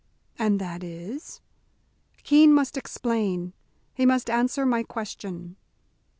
"And that is?" "Keene must explain. He must answer my question."